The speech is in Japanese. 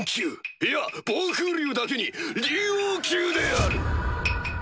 いや暴風竜だけに竜王級である！